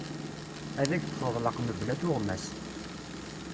Ad ak-d-teḍleq mebla tuɣmas.